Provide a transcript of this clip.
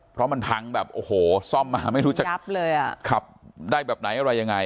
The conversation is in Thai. เพราะมันพังแบบโอ้โหซ่อมมาไม่รู้จะกลับเลยอ่ะขับได้แบบไหนอะไรยังไง